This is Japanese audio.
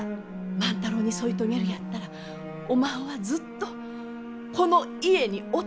万太郎に添い遂げるやったらおまんはずっとこの家におってえい。